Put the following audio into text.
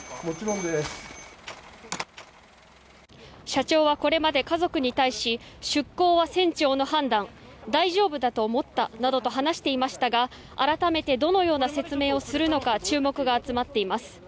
社長はこれまで家族に対し出航は船長の判断大丈夫だと思ったなどと話していましたが改めてどのような説明をするのか注目が集まっています。